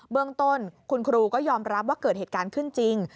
เรื่องต้นคุณครูก็ยอมรับว่าเกิดเหตุการณ์ขึ้นจริง